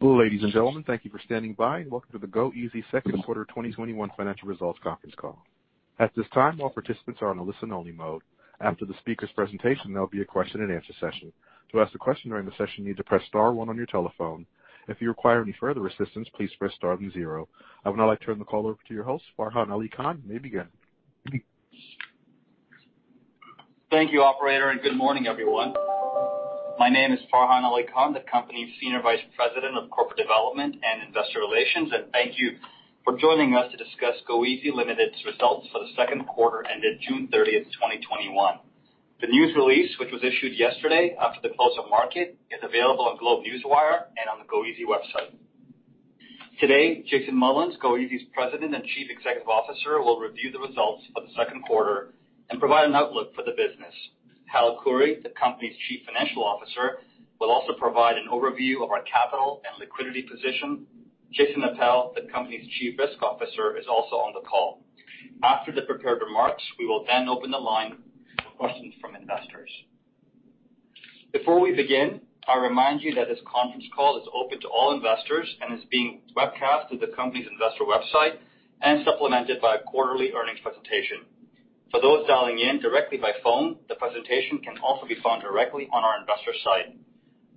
Ladies and gentlemen, thank you for standing by and welcome to the goeasy Second Quarter 2021 Financial Results Conference Call. At this time, all participants are on a listen only mode. After the speaker's presentation, there'll be a question and answer session. To ask a question during the session, you need to press star one on your telephone. If you require any further assistance, please press star then zero. I would now like to turn the call over to your host, Farhan Ali Khan. You may begin. Thank you, operator. Good morning, everyone. My name is Farhan Ali Khan, the company's Senior Vice President of Corporate Development and Investor Relations. Thank you for joining us to discuss goeasy Ltd.'s results for the second quarter ended June 30th, 2021. The news release, which was issued yesterday after the close of market, is available on GlobeNewswire and on the goeasy website. Today, Jason Mullins, goeasy's President and Chief Executive Officer, will review the results for the second quarter and provide an outlook for the business. Hal Khouri, the company's Chief Financial Officer, will also provide an overview of our capital and liquidity position. Jason Appel, the company's Chief Risk Officer, is also on the call. After the prepared remarks, we will then open the line for questions from investors. Before we begin, I remind you that this conference call is open to all investors and is being webcast through the company's investor website and supplemented by a quarterly earnings presentation. For those dialing in directly by phone, the presentation can also be found directly on our investor site.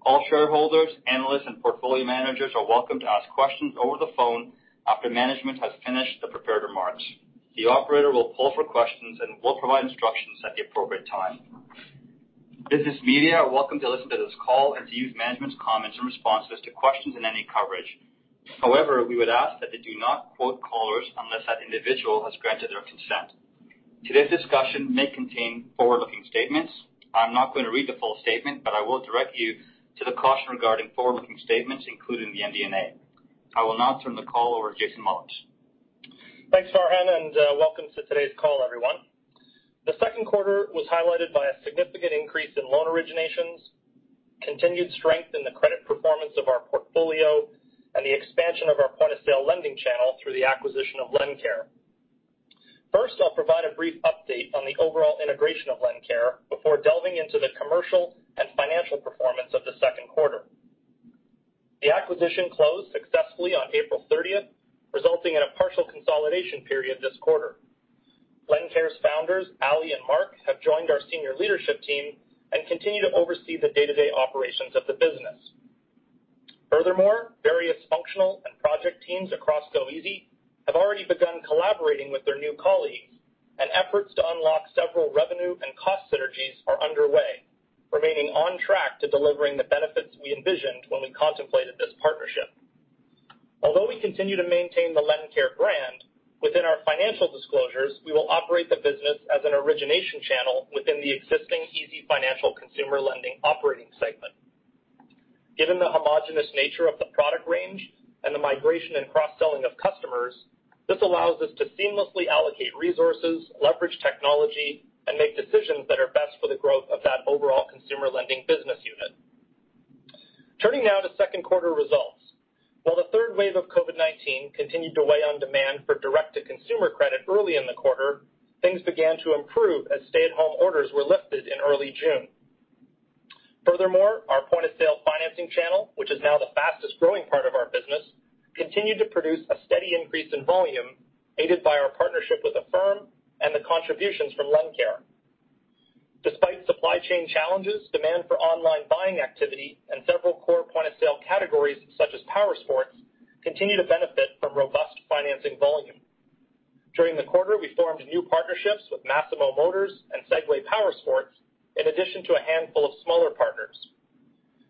All shareholders, analysts, and portfolio managers are welcome to ask questions over the phone after management has finished the prepared remarks. The operator will call for questions and will provide instructions at the appropriate time. Business media are welcome to listen to this call and to use management's comments and responses to questions in any coverage. However, we would ask that they do not quote callers unless that individual has granted their consent. Today's discussion may contain forward-looking statements. I'm not gonna read the full statement, but I will direct you to the caution regarding forward-looking statements included in the MD&A. I will now turn the call over to Jason Mullins. Thanks, Farhan, and welcome to today's call, everyone. The second quarter was highlighted by a significant increase in loan originations, continued strength in the credit performance of our portfolio, and the expansion of our point-of-sale lending channel through the acquisition of LendCare. First, I'll provide a brief update on the overall integration of LendCare before delving into the commercial and financial performance of the second quarter. The acquisition closed successfully on April 30th, resulting in a partial consolidation period this quarter. LendCare's founders, Ali and Mark, have joined our senior leadership team and continue to oversee the day-to-day operations of the business. Furthermore, various functional and project teams across goeasy have already begun collaborating with their new colleagues, and efforts to unlock several revenue and cost synergies are underway, remaining on track to delivering the benefits we envisioned when we contemplated this partnership. Although we continue to maintain the LendCare brand, within our financial disclosures, we will operate the business as an origination channel within the existing easyfinancial consumer lending operating segment. Given the homogenous nature of the product range and the migration and cross-selling of customers, this allows us to seamlessly allocate resources, leverage technology, and make decisions that are best for the growth of that overall consumer lending business unit. Turning now to second quarter results. While the third wave of COVID-19 continued to weigh on demand for direct-to-consumer credit early in the quarter, things began to improve as stay-at-home orders were lifted in early June. Our point-of-sale financing channel, which is now the fastest-growing part of our business, continued to produce a steady increase in volume, aided by our partnership with Affirm and the contributions from LendCare. Despite supply chain challenges, demand for online buying activity and several core point-of-sale categories, such as powersports, continue to benefit from robust financing volume. During the quarter, we formed new partnerships with Massimo Motors and Segway Powersports, in addition to a handful of smaller partners.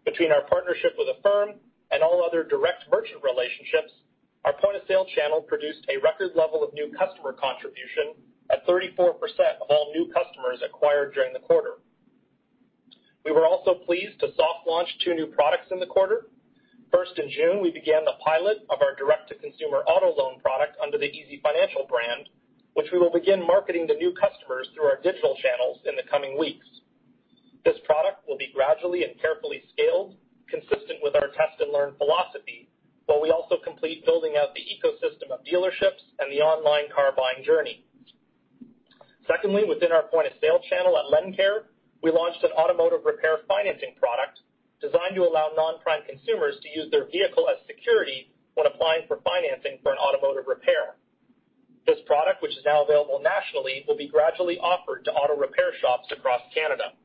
Between our partnership with Affirm and all other direct merchant relationships, our point-of-sale channel produced a record level of new customer contribution at 34% of all new customers acquired during the quarter. We were also pleased to soft launch two new products in the quarter. First, in June, we began the pilot of our direct-to-consumer auto loan product under the easyfinancial brand, which we will begin marketing to new customers through our digital channels in the coming weeks. This product will be gradually and carefully scaled, consistent with our test-and-learn philosophy, while we also complete building out the ecosystem of dealerships and the online car buying journey. Secondly, within our point-of-sale channel at LendCare, we launched an automotive repair financing product designed to allow non-prime consumers to use their vehicle as security when applying for financing for an automotive repair. This product, which is now available nationally, will be gradually offered to auto repair shops across Canada.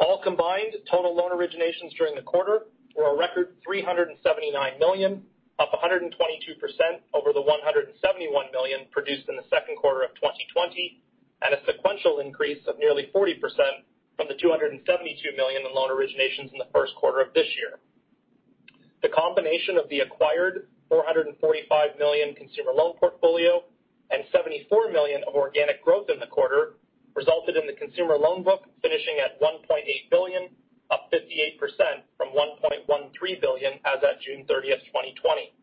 All combined, total loan originations during the quarter were a record 379 million, up 122% over the 171 million produced in the second quarter of 2020, and a sequential increase of nearly 40% from the 272 million in loan originations in the first quarter of this year. The combination of the acquired 445 million consumer loan portfolio and 74 million of organic growth in the quarter resulted in the consumer loan book finishing at 1.8 billion, up 58% from 1.13 billion as at June 30th, 2020.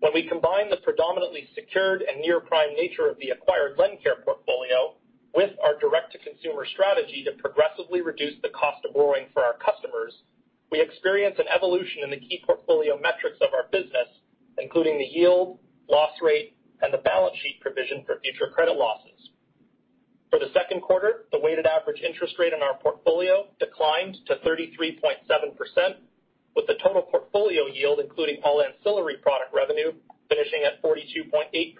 When we combine the predominantly secured and near-prime nature of the acquired LendCare portfolio with our direct-to-consumer strategy to progressively reduce the cost of borrowing for our customers, we experience an evolution in the key portfolio metrics of our business, including the yield, loss rate, and the balance sheet provision for future credit losses. For the second quarter, the weighted average interest rate on our portfolio declined to 33.7%, with the total portfolio yield, including all ancillary product revenue, finishing at 42.8%.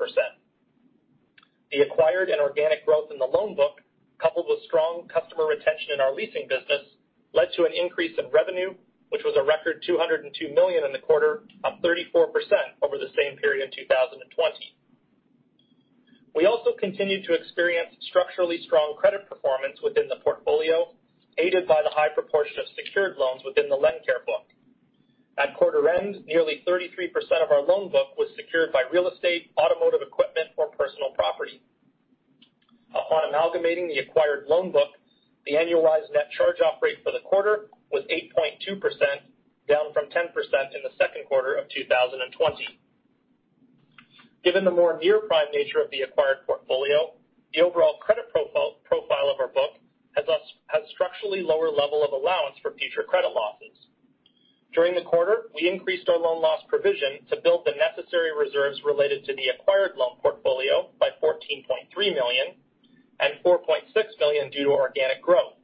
The acquired and organic growth in the loan book, coupled with strong customer retention in our leasing business, led to an increase in revenue, which was a record 202 million in the quarter, up 34% over the same period in 2020. We also continued to experience structurally strong credit performance within the portfolio, aided by the high proportion of secured loans within the LendCare book. At quarter end, nearly 33% of our loan book was secured by real estate, automotive equipment or personal property. Upon amalgamating the acquired loan book, the annualized net charge-off rate for the quarter was 8.2%, down from 10% in the second quarter of 2020. Given the more near-prime nature of the acquired portfolio, the overall credit profile of our book has structurally lower level of allowance for future credit losses. During the quarter, we increased our loan loss provision to build the necessary reserves related to the acquired loan portfolio by CAD 14.3 million and CAD 4.6 million due to organic growth,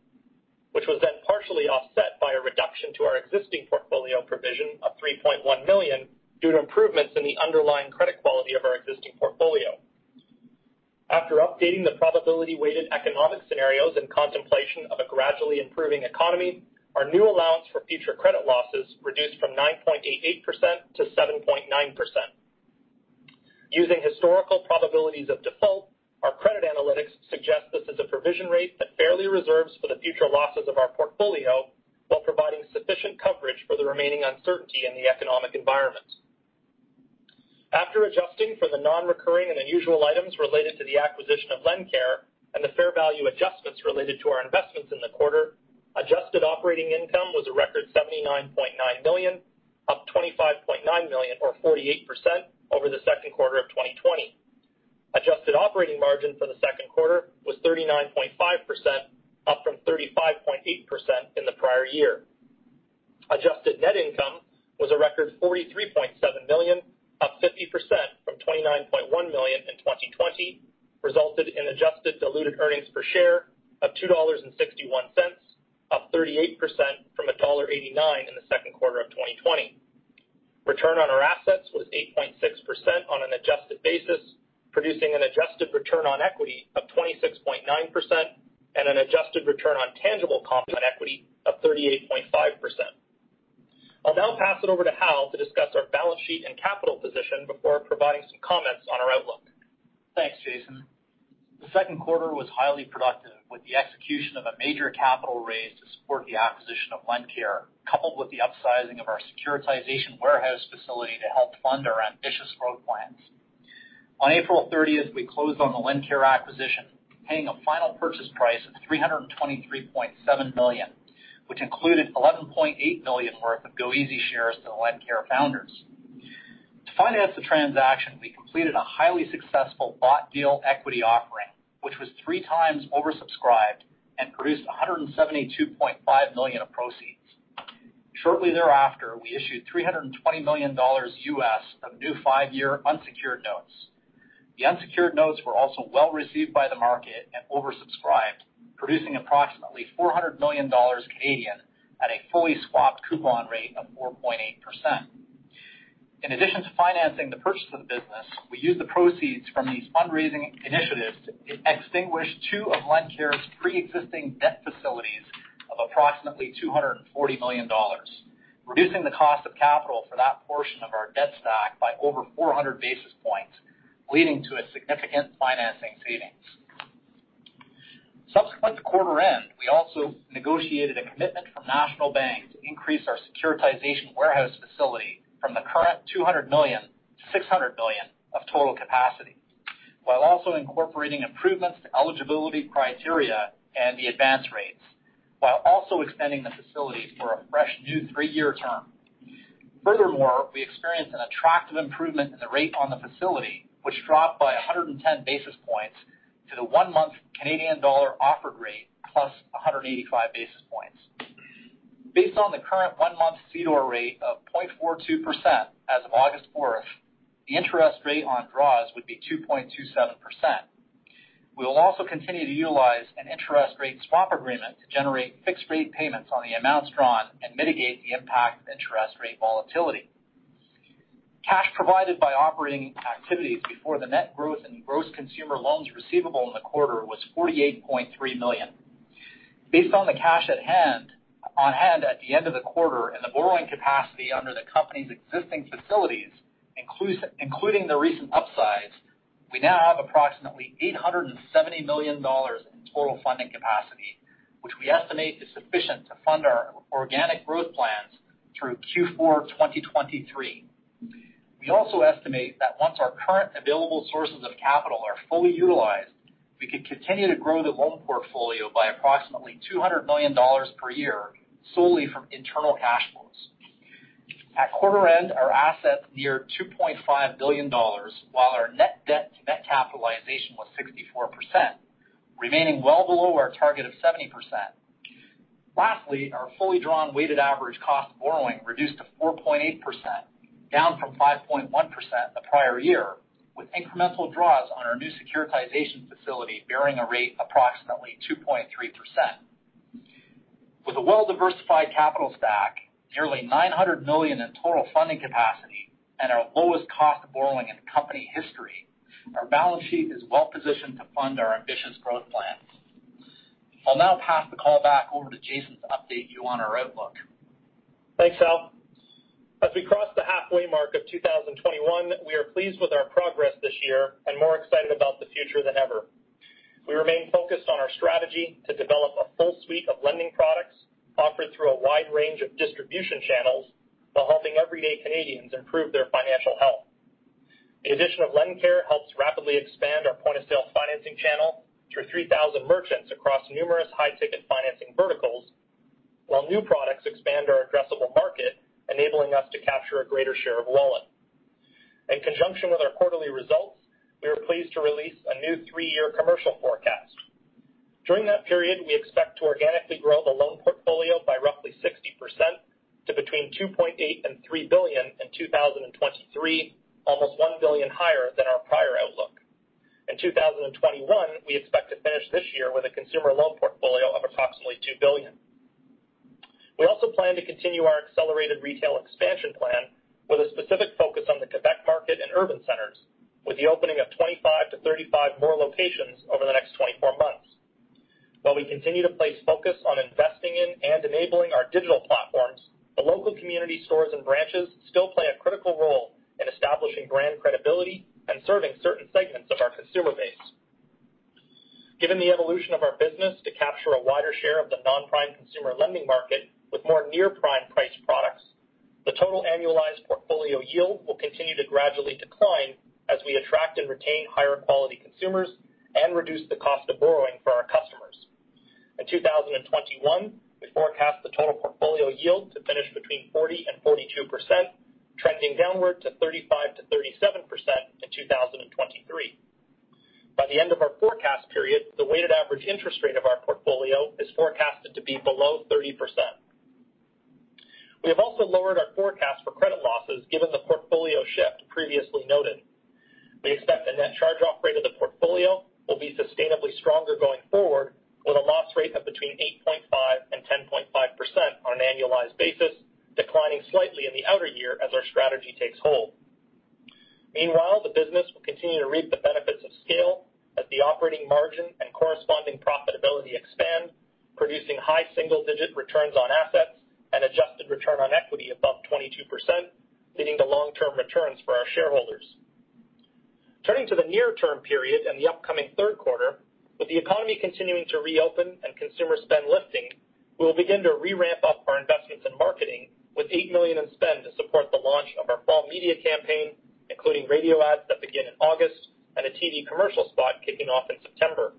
which was then partially offset by a reduction to our existing portfolio provision of 3.1 million due to improvements in the underlying credit quality of our existing portfolio. After updating the probability-weighted economic scenarios and contemplation of a gradually improving economy, our new allowance for future credit losses reduced from 9.88% to 7.9%. Using historical probabilities of default, our credit analytics suggest this is a provision rate that fairly reserves for the future losses of our portfolio while providing sufficient coverage for the remaining uncertainty in the economic environment. After adjusting for the non-recurring and unusual items related to the acquisition of LendCare and the fair value adjustments related to our investments in the quarter, adjusted operating income was a record 79.9 million, up 25.9 million or 48% over the second quarter of 2020. Adjusted operating margin for the second quarter was 39.5%, up from 35.8% in the prior year. Adjusted net income was a record 43.7 million, up 50% from 29.1 million in 2020, resulted in adjusted diluted earnings per share of 2.61 dollars, up 38% from dollar 1.89 in the second quarter of 2020. Return on our assets was 8.6% on an adjusted basis, producing an adjusted return on equity of 26.9% and an adjusted return on tangible common equity of 38.5%. I'll now pass it over to Hal Khouri to discuss our balance sheet and capital position before providing some comments on our outlook. Thanks, Jason. The second quarter was highly productive with the execution of a major capital raise to support the acquisition of LendCare, coupled with the upsizing of our securitization warehouse facility to help fund our ambitious growth plans. On April 30th, we closed on the LendCare acquisition, paying a final purchase price of CAD 323.7 million, which included CAD 11.8 million worth of goeasy shares to the LendCare founders. To finance the transaction, we completed a highly successful bought deal equity offering, which was three times oversubscribed and produced 172.5 million of proceeds. Shortly thereafter, we issued $320 million of new five-year unsecured notes. The unsecured notes were also well-received by the market and oversubscribed, producing approximately 400 million Canadian dollars at a fully swapped coupon rate of 4.8%. In addition to financing the purchase of the business, we used the proceeds from these fundraising initiatives to extinguish two of LendCare's pre-existing debt facilities of approximately 240 million dollars, reducing the cost of capital for that portion of our debt stock by over 400 basis points, leading to a significant financing savings. Subsequent to quarter end, we also negotiated a commitment from National Bank to increase our securitization warehouse facility from the current 200 million to 600 million of total capacity, while also incorporating improvements to eligibility criteria and the advance rates, while also extending the facility for a fresh new three-year term. Furthermore, we experienced an attractive improvement in the rate on the facility, which dropped by 110 basis points to the one-month Canadian Dollar Offered Rate, plus 185 basis points. Based on the current one-month CDOR rate of 0.42% as of August 4th, the interest rate on draws would be 2.27%. We will also continue to utilize an interest rate swap agreement to generate fixed rate payments on the amounts drawn and mitigate the impact of interest rate volatility. Cash provided by operating activities before the net growth in gross consumer loans receivable in the quarter was 48.3 million. Based on the cash on hand at the end of the quarter and the borrowing capacity under the company's existing facilities including the recent upsize, we now have approximately 870 million dollars in total funding capacity, which we estimate is sufficient to fund our organic growth plans through Q4 2023. We also estimate that once our current available sources of capital are fully utilized, we could continue to grow the loan portfolio by approximately 200 million dollars per year solely from internal cash flows. At quarter end, our assets neared 2.5 billion dollars while our net debt to net capitalization was 64%, remaining well below our target of 70%. Lastly, our fully drawn weighted average cost of borrowing reduced to 4.8%, down from 5.1% the prior year, with incremental draws on our new securitization facility bearing a rate approximately 2.3%. With a well-diversified capital stack, nearly 900 million in total funding capacity and our lowest cost of borrowing in company history, our balance sheet is well-positioned to fund our ambitious growth plans. I'll now pass the call back over to Jason to update you on our outlook. Thanks, Hal. As we cross the halfway mark of 2021, we are pleased with our progress this year and more excited about the future than ever. We remain focused on our strategy to develop a full suite of lending products offered through a wide range of distribution channels while helping everyday Canadians improve their financial health. The addition of LendCare helps rapidly expand our point-of-sale financing channel through 3,000 merchants across numerous high-ticket financing verticals, while new products expand our addressable market, enabling us to capture a greater share of wallet. In conjunction with our quarterly results, we are pleased to release a new three-year commercial forecast. During that period, we expect to organically grow the loan portfolio by roughly 60% to between 2.8 billion and 3 billion in 2023, almost 1 billion higher than our prior outlook. In 2021, we expect to finish this year with a consumer loan portfolio of approximately 2 billion. We also plan to continue our accelerated retail expansion plan with a specific focus on the Quebec market and urban centers, with the opening of 25-35 more locations over the next 24 months. While we continue to place focus on investing in and enabling our digital platforms, the local community stores and branches still play a critical role in establishing brand credibility and serving certain segments of our consumer base. Given the evolution of our business to capture a wider share of the non-prime consumer lending market with more near-prime priced products, the total annualized portfolio yield will continue to gradually decline as we attract and retain higher quality consumers and reduce the cost of borrowing for our customers. In 2021, we forecast the total portfolio yield to finish between 40%-42%, trending downward to 35%-37% in 2023. By the end of our forecast period, the weighted average interest rate of our portfolio is forecasted to be below 30%. We have also lowered our forecast for credit losses given the portfolio shift previously noted. We expect the net charge-off rate of the portfolio will be sustainably stronger going forward, with a loss rate of between 8.5%-10.5% on an annualized basis, declining slightly in the outer year as our strategy takes hold. Meanwhile, the business will continue to reap the benefits of scale as the operating margin and corresponding profitability expand, producing high single-digit returns on assets and adjusted return on equity above 22%, leading to long-term returns for our shareholders. Turning to the near-term period and the upcoming third quarter, with the economy continuing to reopen and consumer spend lifting, we will begin to re-ramp up our investments in marketing with 8 million in spend to support the launch of our fall media campaign, including radio ads that begin in August and a TV commercial spot kicking off in September.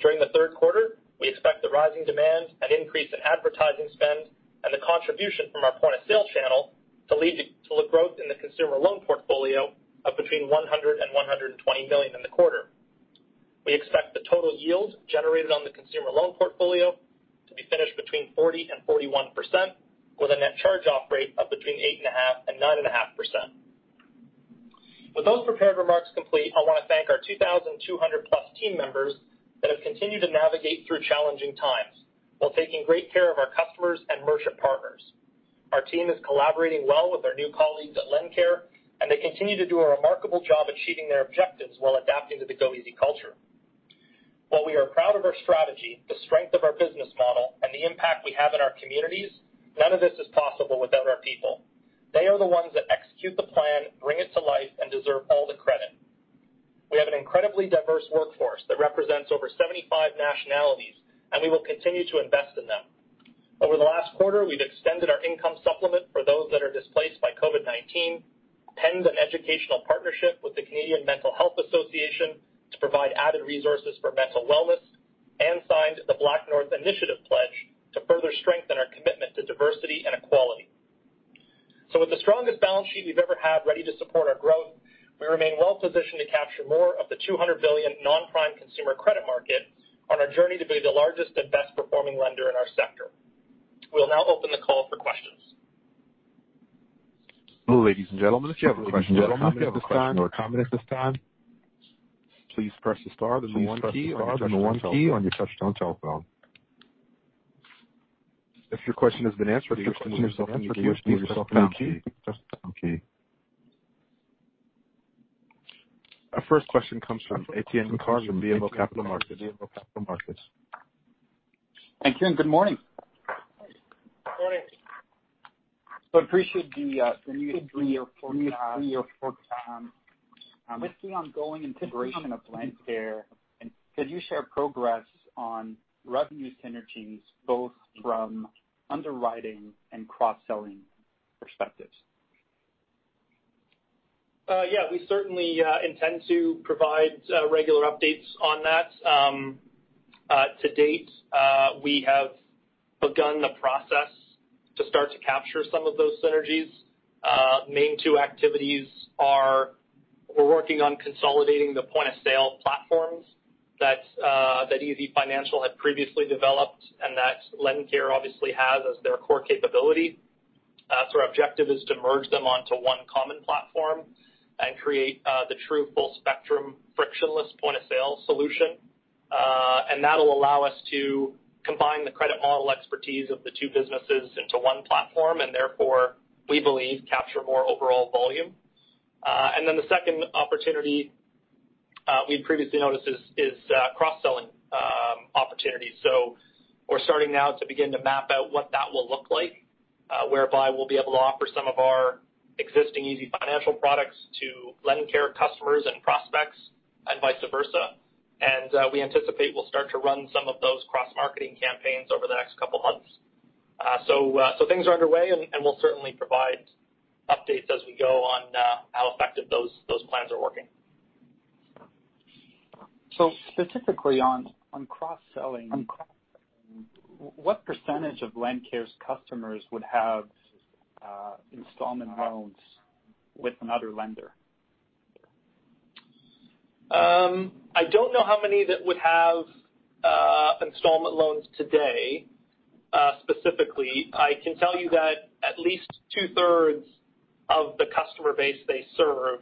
During the third quarter, we expect the rising demand and increase in advertising spend and the contribution from our point-of-sale channel to lead to the growth in the consumer loan portfolio of between 100 million-120 million in the quarter. We expect the total yield generated on the consumer loan portfolio to be finished between 40% and 41%, with a net charge-off rate of between 8.5% and 9.5%. With those prepared remarks complete, I want to thank our 2,200+ team members that have continued to navigate through challenging times while taking great care of our customers and merchant partners. Our team is collaborating well with our new colleagues at LendCare, and they continue to do a remarkable job achieving their objectives while adapting to the goeasy culture. While we are proud of our strategy, the strength of our business model, and the impact we have in our communities, none of this is possible without our people. They are the ones that execute the plan, bring it to life, and deserve all the credit. We have an incredibly diverse workforce that represents over 75 nationalities, and we will continue to invest in them. Over the last quarter, we've extended our income supplement for those that are displaced by COVID-19, penned an educational partnership with the Canadian Mental Health Association to provide added resources for mental wellness, and signed the BlackNorth Initiative pledge to further strengthen our commitment to diversity and equality. With the strongest balance sheet we've ever had ready to support our growth, we remain well-positioned to capture more of the 200 billion non-prime consumer credit market on our journey to be the largest and best-performing lender in our sector. We'll now open the call for questions. Ladies and gentlemen, if you have a question or a comment at this time, please press the star then the one key on your touch-tone telephone. If your question has been answered, you may disconnect yourself from the queue by pressing the pound key. Our first question comes from Etienne Ricard from BMO Capital Markets. Thank you, and good morning. Morning. Appreciate the new three-year forecast. With the ongoing integration of LendCare, and could you share progress on revenue synergies both from underwriting and cross-selling perspectives? We certainly intend to provide regular updates on that. To date, we have begun the process to capture some of those synergies. Main two activities are we're working on consolidating the point-of-sale platforms that easyfinancial had previously developed and that LendCare obviously has as their core capability. Our objective is to merge them onto one common platform and create the true full-spectrum frictionless point-of-sale solution. That'll allow us to combine the credit model expertise of the two businesses into one platform, and therefore, we believe capture more overall volume. The second opportunity we've previously noticed is cross-selling opportunities. We're starting now to begin to map out what that will look like, whereby we'll be able to offer some of our existing easyfinancial products to LendCare customers and prospects and vice versa. We anticipate we'll start to run some of those cross-marketing campaigns over the next couple months. Things are underway and we'll certainly provide updates as we go on how effective those plans are working. Specifically on cross-selling, what percentage of LendCare's customers would have installment loans with another lender? I don't know how many that would have installment loans today specifically. I can tell you that at least two-thirds of the customer base they serve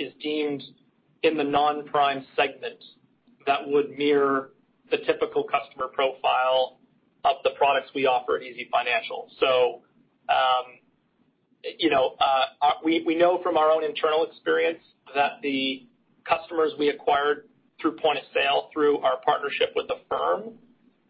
is deemed in the non-prime segment that would mirror the typical customer profile of the products we offer at easyfinancial. You know, we know from our own internal experience that the customers we acquired through point-of-sale through our partnership with Affirm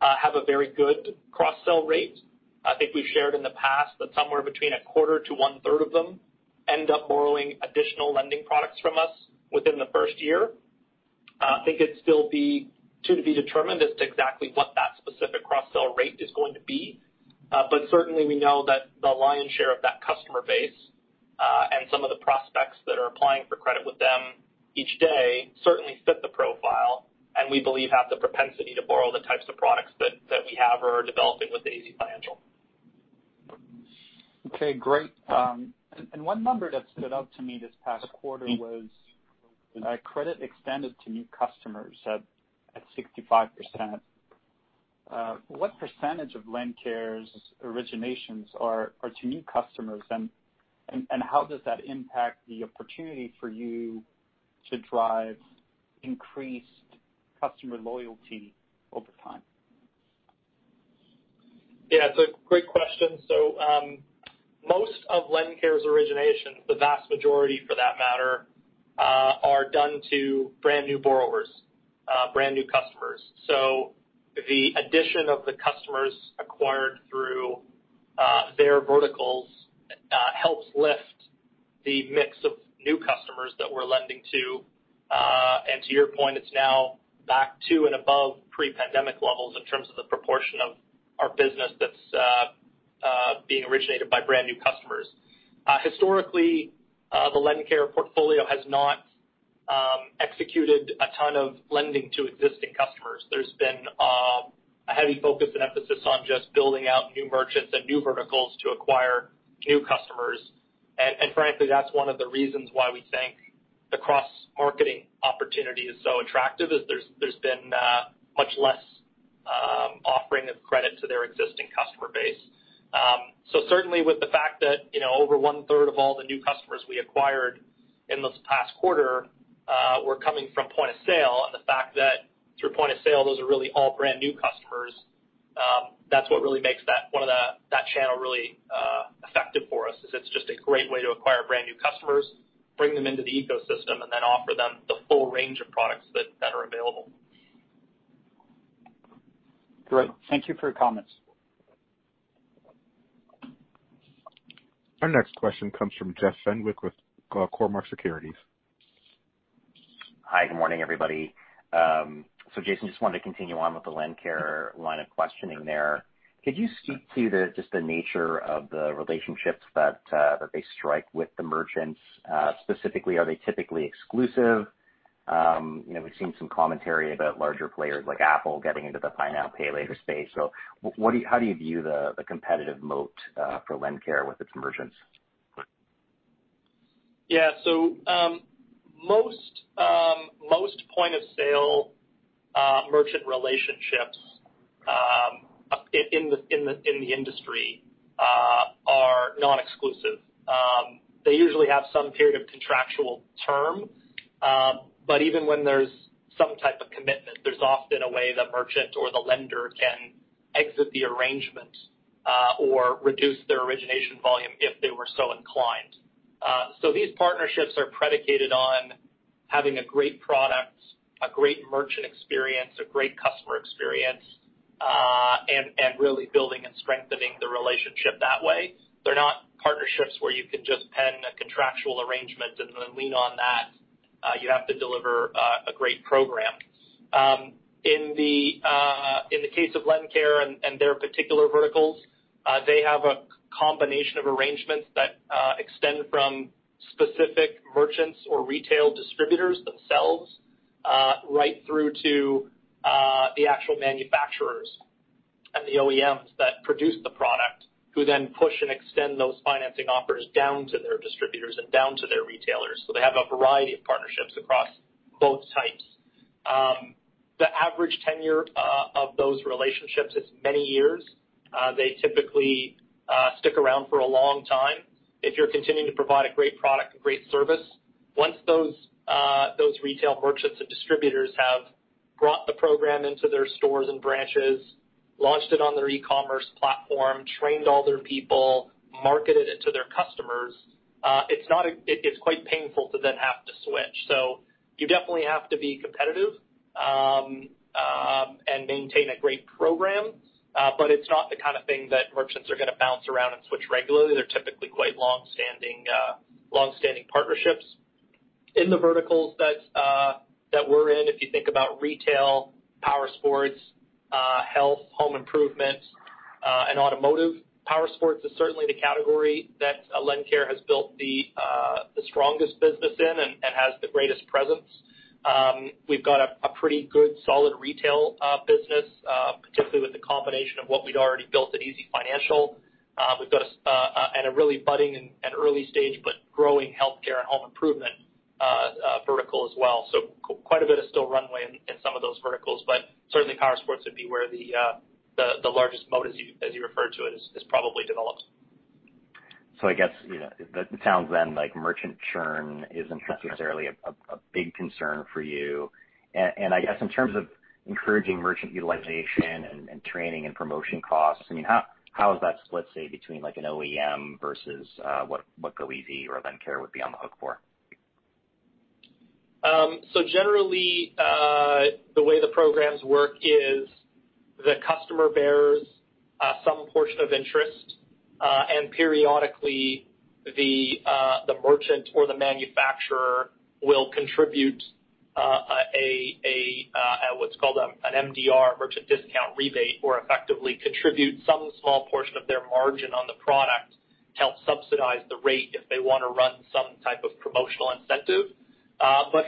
have a very good cross-sell rate. I think we've shared in the past that somewhere between a quarter to one-third of them end up borrowing additional lending products from us within the first year. I think it'd still be to be determined as to exactly what that specific cross-sell rate is going to be. Certainly we know that the lion's share of that customer base, and some of the prospects that are applying for credit with them each day certainly fit the profile, and we believe have the propensity to borrow the types of products that we have or are developing with easyfinancial. Okay, great. And one number that stood out to me this past quarter was credit extended to new customers at 65%. What percentage of LendCare's originations are to new customers and how does that impact the opportunity for you to drive increased customer loyalty over time? Yeah, it's a great question. Most of LendCare's originations, the vast majority for that matter, are done to brand-new borrowers, brand-new customers. The addition of the customers acquired through their verticals helps lift the mix of new customers that we're lending to. And to your point, it's now back to and above pre-pandemic levels in terms of the proportion of our business that's being originated by brand-new customers. Historically, the LendCare portfolio has not executed a ton of lending to existing customers. There's been a heavy focus and emphasis on just building out new merchants and new verticals to acquire new customers. Frankly, that's one of the reasons why we think the cross-marketing opportunity is so attractive, is there's been much less offering of credit to their existing customer base. Certainly with the fact that, you know, over one-third of all the new customers we acquired in this past quarter, were coming from point-of-sale and the fact that through point-of-sale, those are really all brand-new customers, that's what really makes that channel really effective for us, is it's just a great way to acquire brand-new customers, bring them into the ecosystem, and then offer them the full range of products that are available. Great. Thank you for your comments. Our next question comes from Jeff Fenwick with Cormark Securities. Hi, good morning, everybody. Jason, just wanted to continue on with the LendCare line of questioning there. Could you speak to just the nature of the relationships that they strike with the merchants? Specifically, are they typically exclusive? You know, we've seen some commentary about larger players like Apple getting into the buy now, pay later space. What do you how do you view the competitive moat for LendCare with its merchants? Yeah. Most point-of-sale merchant relationships in the industry are non-exclusive. They usually have some period of contractual term, but even when there's some type of commitment, there's often a way the merchant or the lender can exit the arrangement or reduce their origination volume if they were so inclined. These partnerships are predicated on having a great product, a great merchant experience, a great customer experience, and really building and strengthening the relationship that way. They're not partnerships where you can just pen a contractual arrangement and then lean on that. You have to deliver a great program. In the case of LendCare and their particular verticals, they have a combination of arrangements that extend from specific merchants or retail distributors themselves. Right through to the actual manufacturers and the OEMs that produce the product, who then push and extend those financing offers down to their distributors and down to their retailers. They have a variety of partnerships across both types. The average tenure of those relationships is many years. They typically stick around for a long time if you're continuing to provide a great product, a great service. Once those retail merchants and distributors have brought the program into their stores and branches, launched it on their e-commerce platform, trained all their people, marketed it to their customers, it's quite painful to then have to switch. You definitely have to be competitive and maintain a great program. It's not the kind of thing that merchants are gonna bounce around and switch regularly. They're typically quite longstanding partnerships. In the verticals that we're in, if you think about retail, powersports, health, home improvement, and automotive. Powersports is certainly the category that LendCare has built the strongest business in and has the greatest presence. We've got a pretty good, solid retail business, particularly with the combination of what we'd already built at easyfinancial. We've got a really budding and early stage, but growing healthcare and home improvement vertical as well. Quite a bit of still runway in some of those verticals, but certainly powersports would be where the largest moat as you referred to it, is probably developed. I guess, you know, that sounds then like merchant churn isn't necessarily a big concern for you. I guess in terms of encouraging merchant utilization and training and promotion costs, I mean, how is that split, say, between like an OEM versus, what goeasy or LendCare would be on the hook for? Generally, the way the programs work is the customer bears some portion of interest, and periodically the merchant or the manufacturer will contribute a what's called an MDR, merchant discount rebate, or effectively contribute some small portion of their margin on the product to help subsidize the rate if they wanna run some type of promotional incentive.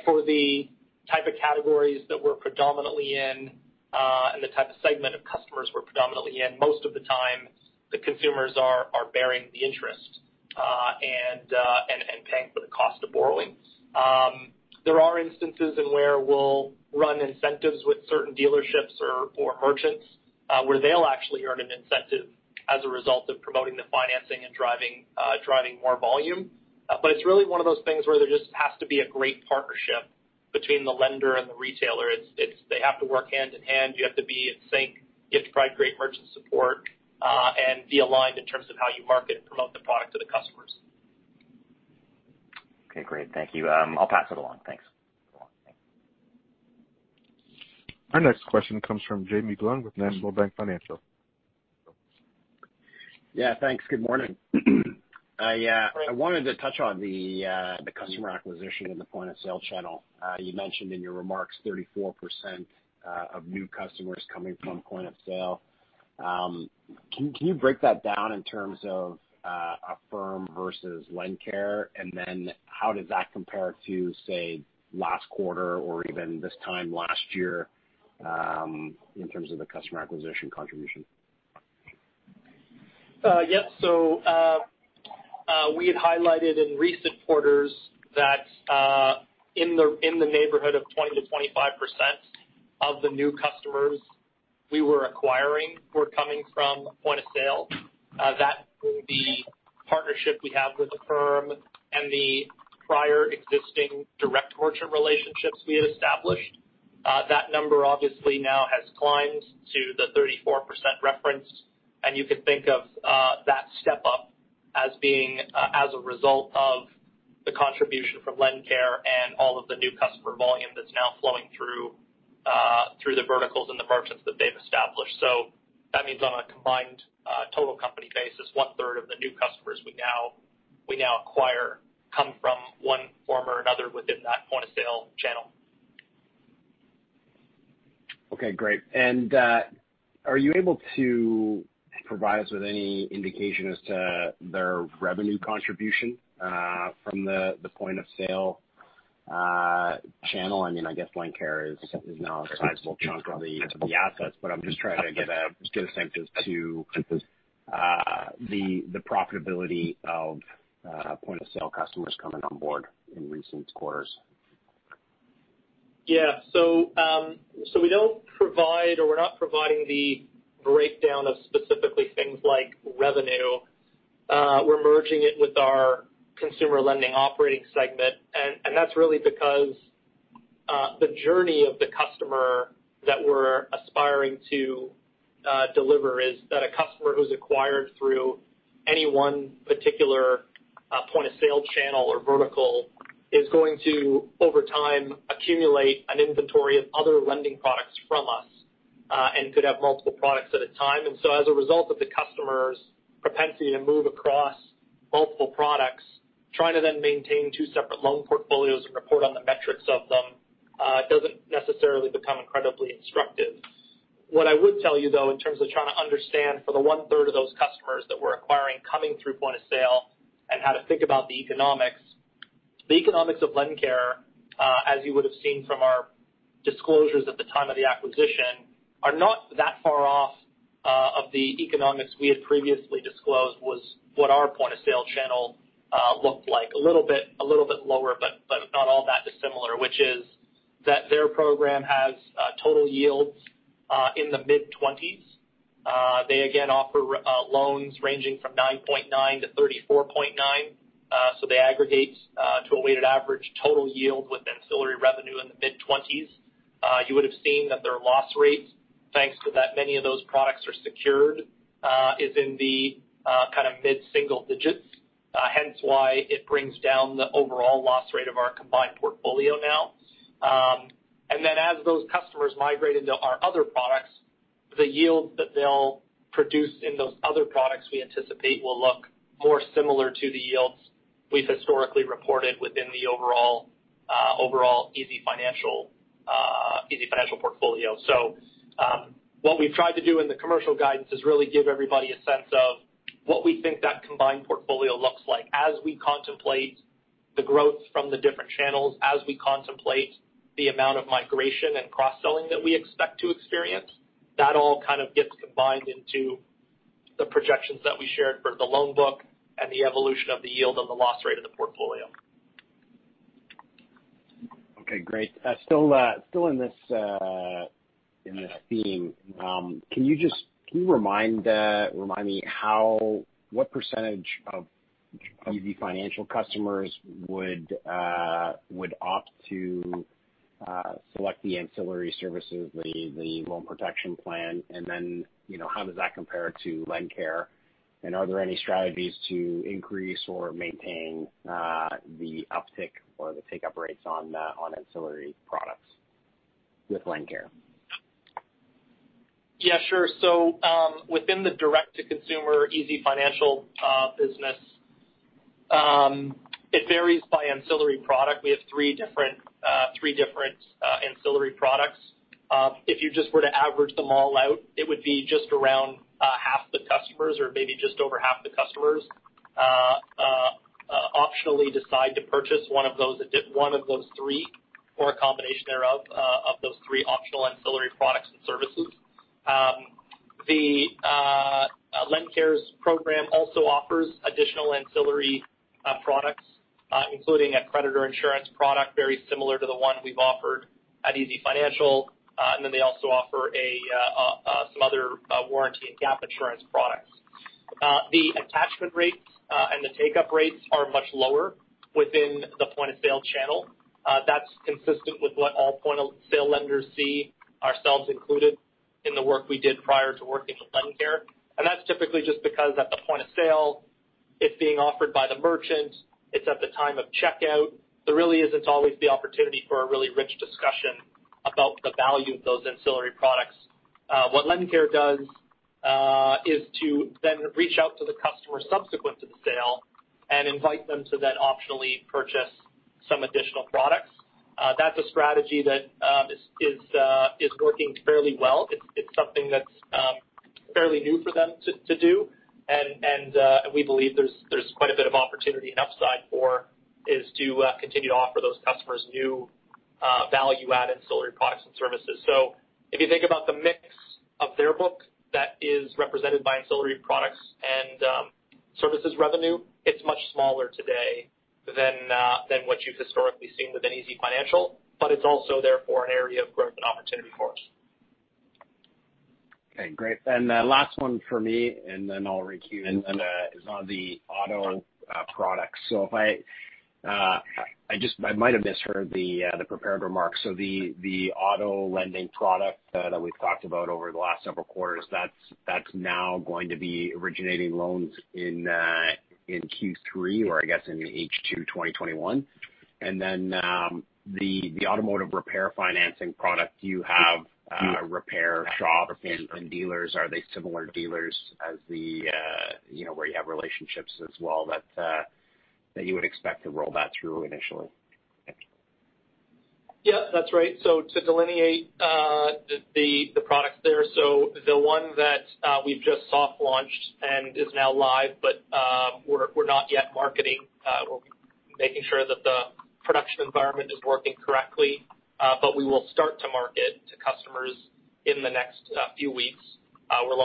For the type of categories that we're predominantly in, and the type of segment of customers we're predominantly in, most of the time the consumers are bearing the interest and paying for the cost of borrowing. There are instances in where we'll run incentives with certain dealerships or merchants, where they'll actually earn an incentive as a result of promoting the financing and driving more volume. It's really one of those things where there just has to be a great partnership between the lender and the retailer. They have to work hand in hand. You have to be in sync. You have to provide great merchant support and be aligned in terms of how you market and promote the product to the customers. Okay, great. Thank you. I'll pass it along. Thanks. Our next question comes from Jaeme Gloyn with National Bank Financial. Yeah, thanks. Good morning. I wanted to touch on the customer acquisition and the point-of-sale channel. You mentioned in your remarks 34% of new customers coming from point of sale. Can you break that down in terms of Affirm versus LendCare? How does that compare to, say, last quarter or even this time last year, in terms of the customer acquisition contribution? Yes. We had highlighted in recent quarters that in the neighborhood of 20%-25% of the new customers we were acquiring were coming from point-of-sale. That through the partnership we have with Affirm and the prior existing direct merchant relationships we had established. That number obviously now has climbed to the 34% referenced. You can think of that step-up as being as a result of the contribution from LendCare and all of the new customer volume that's now flowing through through the verticals and the merchants that they've established. That means on a combined total company basis, one-third of the new customers we now acquire come from one form or another within that point-of-sale channel. Okay, great. Are you able to provide us with any indication as to their revenue contribution from the point of sale channel? I mean, I guess LendCare is now a sizable chunk of the assets, but I'm just trying to get a sense as to the profitability of point of sale customers coming on board in recent quarters. We don't provide or we're not providing the breakdown of specifically things like revenue. We're merging it with our consumer lending operating segment. That's really because the journey of the customer that we're aspiring to deliver is that a customer who's acquired through any one particular point-of-sale channel or vertical is going to, over time, accumulate an inventory of other lending products from us and could have multiple products at a time. As a result of the customer's propensity to move across multiple products, trying to then maintain two separate loan portfolios and report on the metrics of them, doesn't necessarily become incredibly instructive. What I would tell you though, in terms of trying to understand for the one-third of those customers that we're acquiring coming through point-of-sale and how to think about the economics. The economics of LendCare, as you would have seen from our disclosures at the time of the acquisition, are not that far off of the economics we had previously disclosed was what our point-of-sale channel looked like. A little bit lower, but not all that dissimilar, which is that their program has total yields in the mid-20s. They again offer loans ranging from 9.9-34.9. They aggregate to a weighted average total yield with ancillary revenue in the mid-20s. You would have seen that their loss rates, thanks to that many of those products are secured, is in the kind of mid-single digits. Hence why it brings down the overall loss rate of our combined portfolio now. As those customers migrate into our other products, the yield that they'll produce in those other products we anticipate will look more similar to the yields we've historically reported within the overall easyfinancial portfolio. What we've tried to do in the commercial guidance is really give everybody a sense of what we think that combined portfolio looks like as we contemplate the growth from the different channels, as we contemplate the amount of migration and cross-selling that we expect to experience. That all kind of gets combined into the projections that we shared for the loan book and the evolution of the yield and the loss rate of the portfolio. Okay, great. Still in this theme, can you remind me how what percentage of easyfinancial customers would opt to select the ancillary services, the loan protection plan? You know, how does that compare to LendCare? Are there any strategies to increase or maintain the uptick or the take-up rates on the, on ancillary products with LendCare? Yeah, sure. Within the direct-to-consumer easyfinancial business, it varies by ancillary product. We have three different ancillary products. If you just were to average them all out, it would be just around half the customers or maybe just over half the customers optionally decide to purchase one of those three or a combination thereof of those three optional ancillary products and services. The LendCare's program also offers additional ancillary products, including a creditor insurance product very similar to the one we've offered at easyfinancial. Then they also offer some other warranty and gap insurance products. The attachment rates and the take-up rates are much lower within the point-of-sale channel. That's consistent with what all point-of-sale lenders see, ourselves included, in the work we did prior to working with LendCare. That's typically just because at the point of sale, it's being offered by the merchant. It's at the time of checkout. There really isn't always the opportunity for a really rich discussion about the value of those ancillary products. What LendCare does is to then reach out to the customer subsequent to the sale and invite them to then optionally purchase some additional products. That's a strategy that is working fairly well. It's something that's fairly new for them to do. We believe there's quite a bit of opportunity and upside for us to continue to offer those customers new, value-add ancillary products and services. If you think about the mix of their book that is represented by ancillary products and services revenue, it's much smaller today than what you've historically seen within easyfinancial, but it's also therefore an area of growth and opportunity for us. Okay, great. Last one for me, and then I'll recue. Is on the auto products. If I might have misheard the prepared remarks. The automotive lending product that we've talked about over the last several quarters, that's now going to be originating loans in Q3 or I guess in H2 2021. The automotive repair financing product, do you have repair shops and dealers? Are they similar dealers as the, you know, where you have relationships as well that you would expect to roll that through initially? Yeah, that's right. To delineate the products there. The one that we've just soft launched and is now live, but we're not yet marketing. We're making sure that the production environment is working correctly. We will start to market to customers in the next few weeks. We're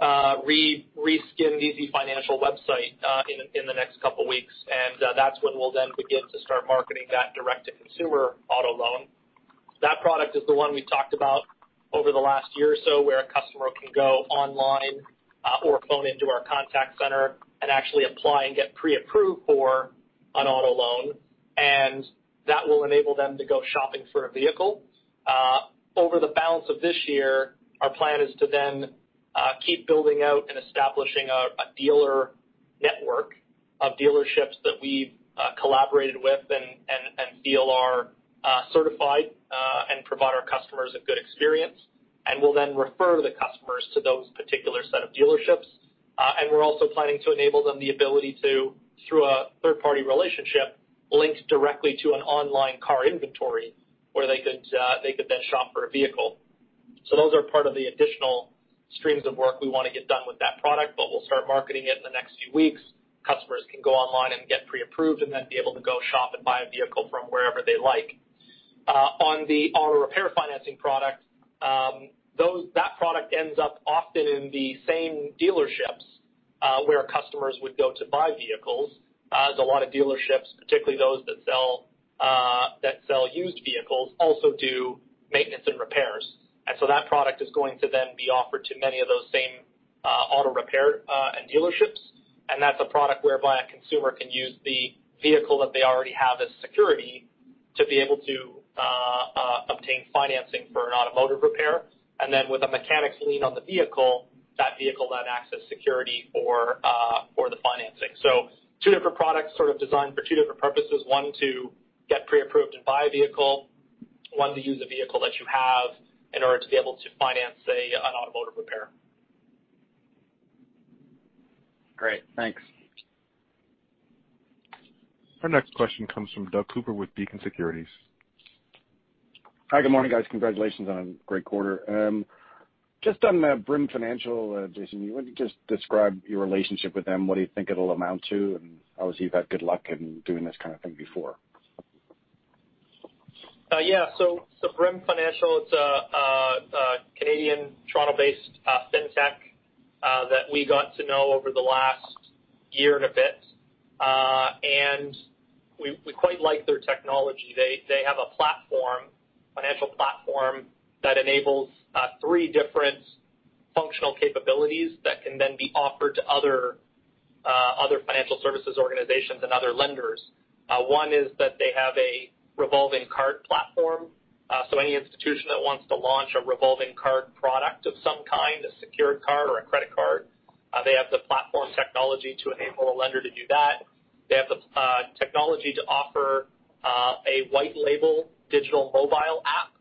launching actually a new re-reskinned easyfinancial website in the next couple weeks. That's when we'll then begin to start marketing that direct-to-consumer auto loan. That product is the one we've talked about over the last year or so, where a customer can go online or phone into our contact center and actually apply and get pre-approved for an auto loan. That will enable them to go shopping for a vehicle. Over the balance of this year, our plan is to then keep building out and establishing a dealer network of dealerships that we've collaborated with and feel are certified and provide our customers a good experience. We'll then refer the customers to those particular set of dealerships. We're also planning to enable them the ability to, through a third-party relationship, link directly to an online car inventory where they could then shop for a vehicle. Those are part of the additional streams of work we wanna get done with that product, but we'll start marketing it in the next few weeks. Customers can go online and get pre-approved and then be able to go shop and buy a vehicle from wherever they like. On automotive repair financing product, that product ends up often in the same dealerships, where customers would go to buy vehicles. There's a lot of dealerships, particularly those that sell used vehicles, also do maintenance and repairs. That product is going to then be offered to many of those same auto repair dealerships. That's a product whereby a consumer can use the vehicle that they already have as security to be able to obtain financing for an automotive repair. With a mechanic's lien on the vehicle, that vehicle then acts as security for the financing. Two different products sort of designed for two different purposes. One, to get pre-approved and buy a vehicle. One, to use a vehicle that you have in order to be able to finance an automotive repair. Great. Thanks. Our next question comes from Doug Cooper with Beacon Securities. Hi, good morning, guys. Congratulations on a great quarter. Just on the Brim Financial, Jason, you want to just describe your relationship with them? What do you think it'll amount to? Obviously, you've had good luck in doing this kind of thing before. Yeah. Brim Financial, it's a Canadian Toronto-based fintech that we got to know over the last year and a bit. We quite like their technology. They have a platform, financial platform that enables three different functional capabilities that can then be offered to other financial services organizations and other lenders. One is that they have a revolving card platform. Any institution that wants to launch a revolving card product of some kind, a secured card or a credit card, they have the platform technology to enable a lender to do that. They have the technology to offer a white label digital mobile app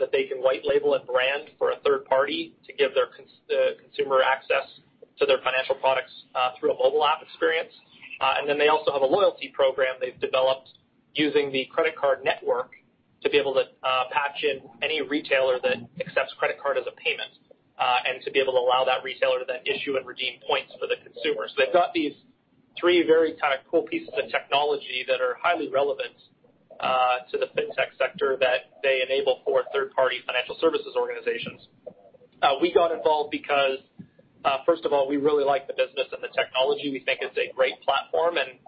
that they can white label and brand for a third party to give their consumer access to their financial products through a mobile app experience. They also have a loyalty program they've developed using the credit card network to be able to patch in any retailer that accepts credit card as a payment and to be able to allow that retailer to then issue and redeem points for the consumer. They've got these three very kind of cool pieces of technology that are highly relevant to the fintech sector that they enable for third-party financial services organizations. We got involved because first of all, we really like the business and the technology. We think it's a great platform and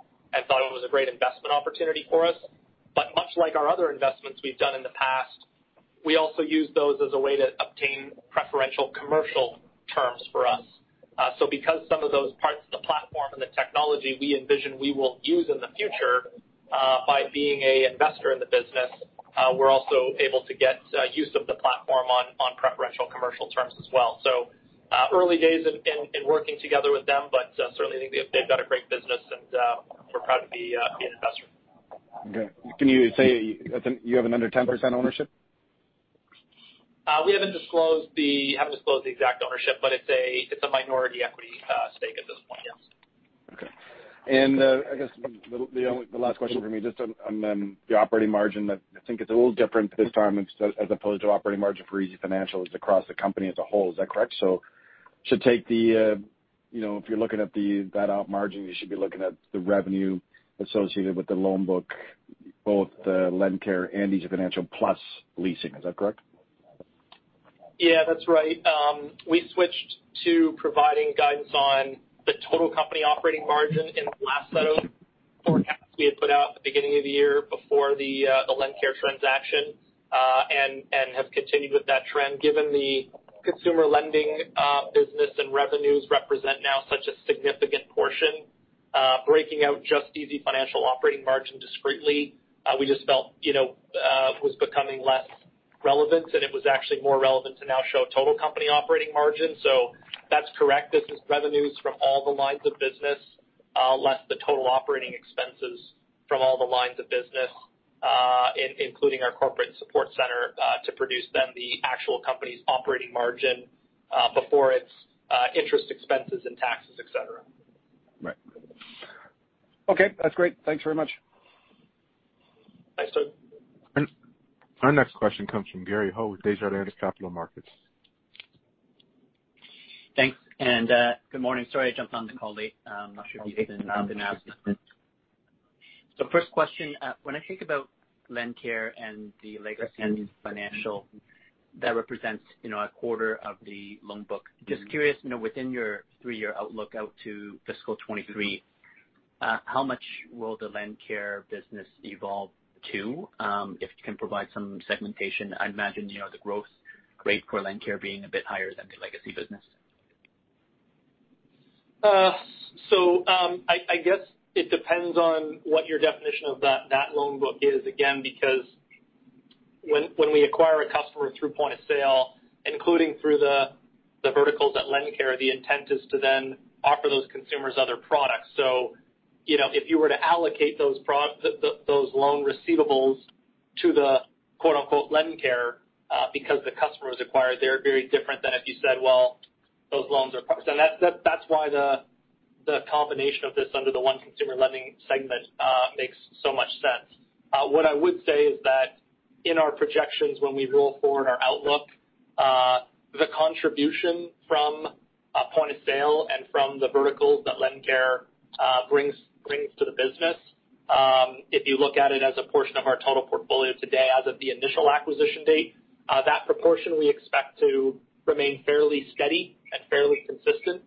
thought it was a great investment opportunity for us. Much like our other investments we've done in the past, we also use those as a way to obtain preferential commercial terms for us. Because some of those parts of the platform and the technology we envision we will use in the future, by being a investor in the business, we're also able to get use of the platform on preferential commercial terms as well. Early days in working together with them, but certainly think they've got a great business and we're proud to be an investor. Okay. Can you say you have an under 10% ownership? We haven't disclosed the exact ownership, but it's a minority equity stake at this point, yes. Okay. I guess the last question for me, just on the operating margin. I think it's a little different this time as opposed to operating margin for easyfinancial is across the company as a whole. Is that correct? Should take, you know, if you're looking at that op margin, you should be looking at the revenue associated with the loan book, both the LendCare and easyfinancial plus leasing. Is that correct? Yeah, that's right. We switched to providing guidance on the total company operating margin in the last set of forecasts we had put out at the beginning of the year before the LendCare transaction and have continued with that trend. Given the consumer lending business and revenues represent now such a significant portion, breaking out just easyfinancial operating margin discretely, we just felt, you know, was becoming less relevant, and it was actually more relevant to now show total company operating margin. That's correct. This is revenues from all the lines of business, less the total operating expenses from all the lines of business, including our corporate support center, to produce then the actual company's operating margin before its interest expenses and taxes, et cetera. Right. Okay, that's great. Thanks very much. Thanks, Doug. Our next question comes from Gary Ho with Desjardins Capital Markets. Thanks, good morning. Sorry, I jumped on the call late. I'm not sure if you've been asked this. First question, when I think about LendCare and the legacy easyfinancial, that represents, you know, a quarter of the loan book. Just curious, you know, within your three-year outlook out to fiscal 2023, how much will the LendCare business evolve to? If you can provide some segmentation. I imagine, you know, the growth rate for LendCare being a bit higher than the legacy business. I guess it depends on what your definition of that loan book is, again, because when we acquire a customer through point of sale, including through the verticals at LendCare, the intent is to then offer those consumers other products. You know, if you were to allocate those loan receivables to the quote-unquote LendCare because the customer was acquired, they're very different than if you said, well, those loans are part. That's why the combination of this under the one consumer lending segment makes so much sense. What I would say is that in our projections when we roll forward our outlook, the contribution from a point-of-sale and from the verticals that LendCare brings to the business, if you look at it as a portion of our total portfolio today as of the initial acquisition date, that proportion we expect to remain fairly steady and fairly consistent.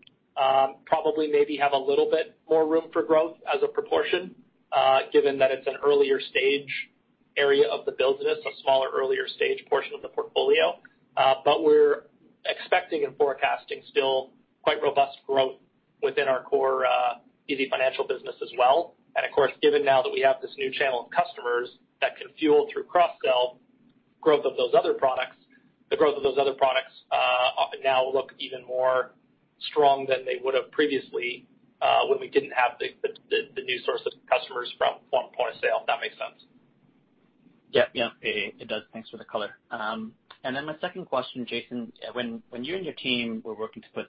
Probably maybe have a little bit more room for growth as a proportion, given that it's an earlier stage area of the business, a smaller earlier stage portion of the portfolio. We're expecting and forecasting still quite robust growth within our core easyfinancial business as well. Of course, given now that we have this new channel of customers that can fuel through cross-sell growth of those other products, the growth of those other products, now look even more strong than they would have previously, when we didn't have the new source of customers from point-of-sale, if that makes sense. Yeah, yeah, it does. Thanks for the color. Then my second question, Jason, when you and your team were working to put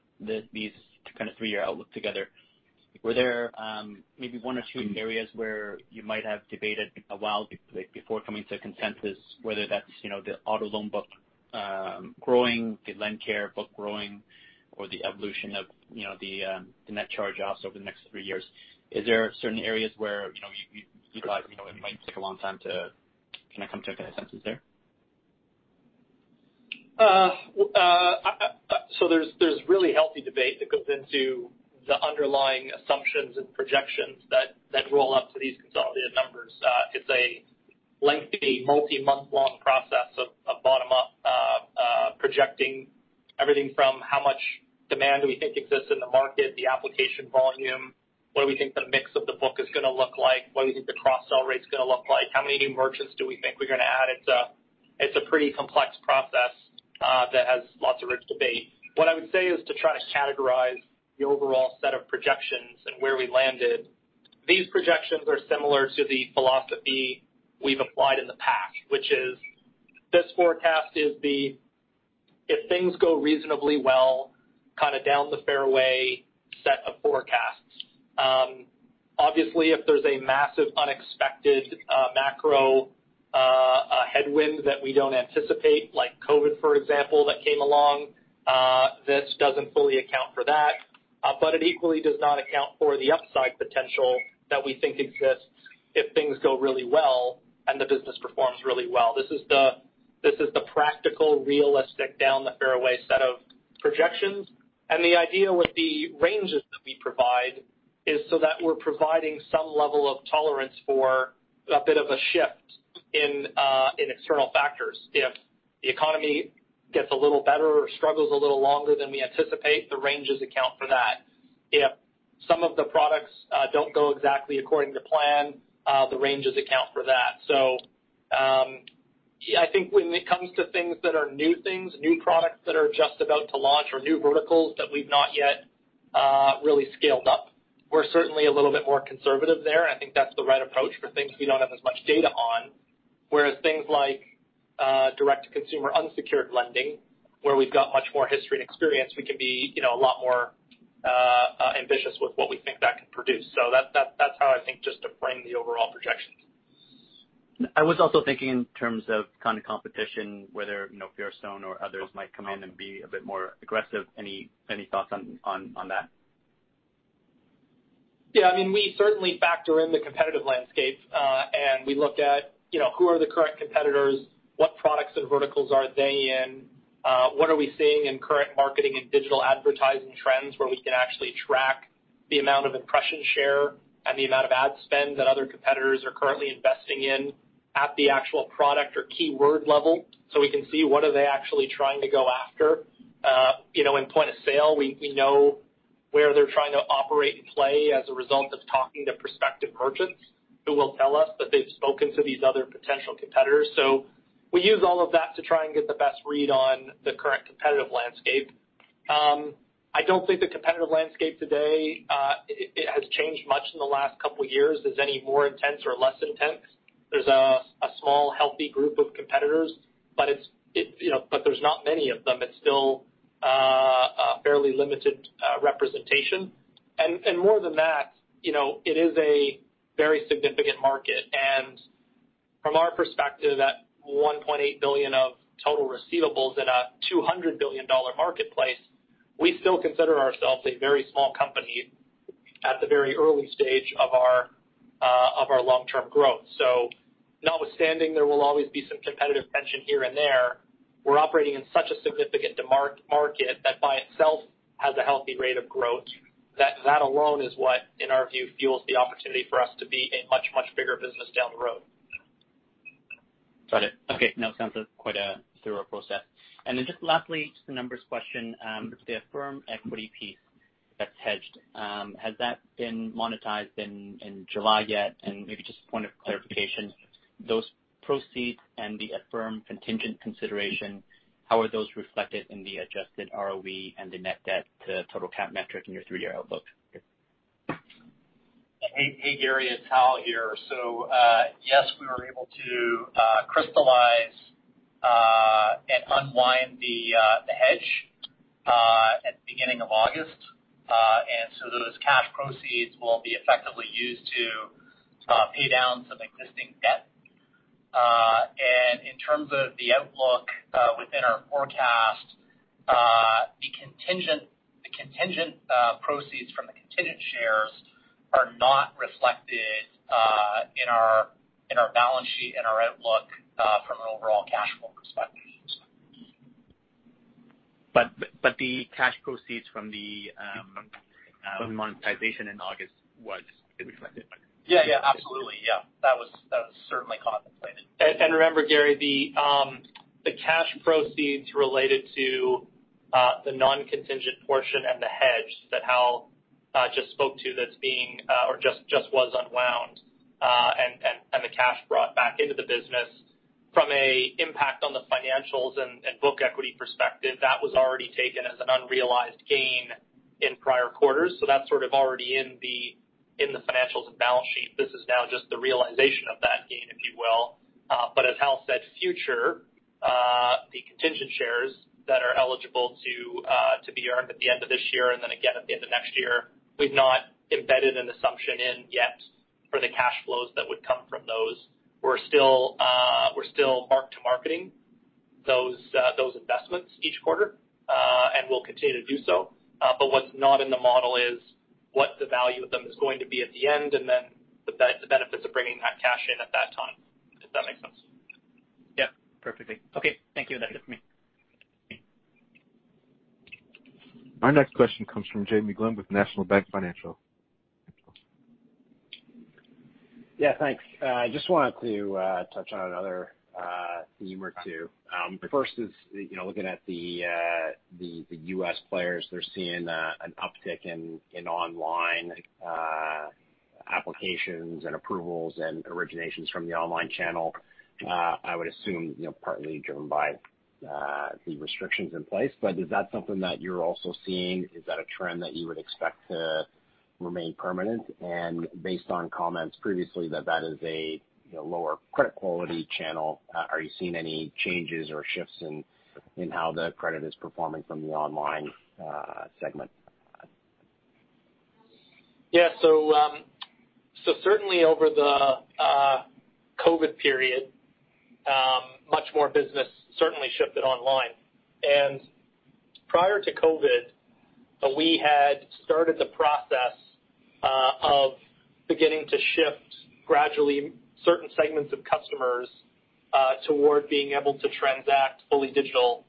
these kind of three-year outlook together, were there, maybe one or two areas where you might have debated a while before coming to a consensus, whether that's, you know, the auto loan book, growing, the LendCare book growing or the evolution of, you know, the net charge-offs over the next three years. Is there certain areas where, you know, you, you thought, you know, it might take a long time to kind of come to a consensus there? There's really healthy debate that goes into the underlying assumptions and projections that roll up to these consolidated numbers. It's a lengthy multi-month long process of bottom up projecting everything from how much demand we think exists in the market, the application volume, what do we think the mix of the book is gonna look like, what do we think the cross-sell rate's gonna look like, how many new merchants do we think we're gonna add? It's a pretty complex process that has lots of rich debate. What I would say is to try to categorize the overall set of projections and where we landed. These projections are similar to the philosophy we've applied in the past, which is this forecast is the if things go reasonably well, kind of down the fairway set of forecasts. Obviously if there's a massive unexpected macro headwind that we don't anticipate like COVID, for example, that came along, this doesn't fully account for that. It equally does not account for the upside potential that we think exists if things go really well and the business performs really well. This is the practical, realistic down the fairway set of projections. The idea with the ranges that we provide is so that we're providing some level of tolerance for a bit of a shift in external factors. If the economy gets a little better or struggles a little longer than we anticipate, the ranges account for that. If some of the products don't go exactly according to plan, the ranges account for that. I think when it comes to things that are new things, new products that are just about to launch or new verticals that we've not yet really scaled up, we're certainly a little bit more conservative there. I think that's the right approach for things we don't have as much data on. Whereas things like direct-to-consumer unsecured lending, where we've got much more history and experience, we can be, you know, a lot more ambitious with what we think that can produce. That's how I think just to frame the overall projections. I was also thinking in terms of kind of competition, whether, you know, Fairstone or others might come in and be a bit more aggressive. Any thoughts on that? I mean, we certainly factor in the competitive landscape, and we look at, you know, who are the correct competitors, what products and verticals are they in, what are we seeing in current marketing and digital advertising trends where we can actually track the amount of impression share and the amount of ad spend that other competitors are currently investing in at the actual product or keyword level. We can see what are they actually trying to go after. You know, in point-of-sale, we know where they're trying to operate and play as a result of talking to prospective merchants who will tell us that they've spoken to these other potential competitors. We use all of that to try and get the best read on the current competitive landscape. I don't think the competitive landscape today has changed much in the last couple years as any more intense or less intense. There's a small healthy group of competitors, you know, there's not many of them. It's still a fairly limited representation. More than that, you know, it is a very significant market. From our perspective, that 1.8 billion of total receivables in a 200 billion dollar marketplace, we still consider ourselves a very small company at the very early stage of our long-term growth. Notwithstanding, there will always be some competitive tension here and there. We're operating in such a significant market that by itself has a healthy rate of growth. That alone is what, in our view, fuels the opportunity for us to be a much, much bigger business down the road. Got it. Okay. No, it sounds a quite a thorough process. Just lastly, just a numbers question, the Affirm equity piece that's hedged, has that been monetized in July yet? Maybe just a point of clarification. Those proceeds and the Affirm contingent consideration, how are those reflected in the adjusted ROE and the net debt to total cap metric in your three-year outlook? Hey, Gary, it's Hal here. Yes, we were able to crystallize and unwind the hedge at the beginning of August. Those cash proceeds will be effectively used to pay down some existing debt. In terms of the outlook, within our forecast, the contingent proceeds from the contingent shares are not reflected in our balance sheet, in our outlook, from an overall cash flow perspective. The cash proceeds from the monetization in August was reflected. Yeah. Absolutely. That was certainly contemplated. Remember, Gary, the cash proceeds related to the non-contingent portion and the hedge that Hal just spoke to that's being or just was unwound and the cash brought back into the business from an impact on the financials and book equity perspective, that was already taken as an unrealized gain in prior quarters. That's sort of already in the financials and balance sheet. This is now just the realization of that gain, if you will. As Hal said, future the contingent shares that are eligible to be earned at the end of this year and then again at the end of next year, we've not embedded an assumption in yet for the cash flows that would come from those. We're still mark-to-marketing those investments each quarter, and will continue to do so. What's not in the model is what the value of them is going to be at the end and then the benefits of bringing that cash in at that time. Does that make sense? Perfectly. Okay. Thank you. That's it for me. Our next question comes from Jaeme Gloyn with National Bank Financial. Yeah, thanks. I just wanted to touch on another theme or two. First is, you know, looking at the U.S. players, they're seeing an uptick in online applications and approvals and originations from the online channel. I would assume, you know, partly driven by the restrictions in place, but is that something that you're also seeing? Is that a trend that you would expect to remain permanent? Based on comments previously that that is a, you know, lower credit quality channel, are you seeing any changes or shifts in how the credit is performing from the online segment? Certainly over the COVID period, much more business certainly shifted online. Prior to COVID, we had started the process of beginning to shift gradually certain segments of customers toward being able to transact fully digital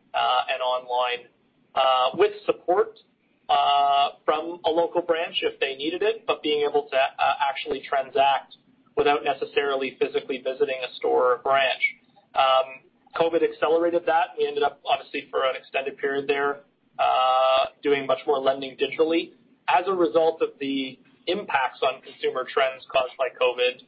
and online with support from a local branch if they needed it, but being able to actually transact without necessarily physically visiting a store or branch. COVID accelerated that. We ended up obviously for an extended period there, doing much more lending digitally. As a result of the impacts on consumer trends caused by COVID,